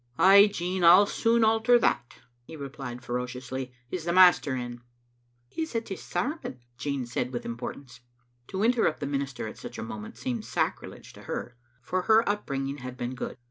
"Ay, Jean, I'll soon alter that," he replied fero ciously. " Is the master in?" " He's at his sermon," Jean said with importance. To interrupt the minister at such a moment seemed sacrilege to her, for her up bringing had been good.